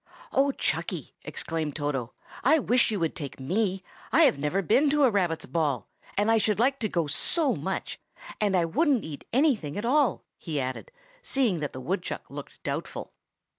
"Oh, Chucky," exclaimed Toto, "I wish you would take me! I have never been to a rabbit's ball, and I should like to go so much! and I wouldn't eat anything at all!" he added, seeing that the woodchuck looked doubtful.